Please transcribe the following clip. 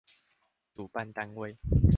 主辦單位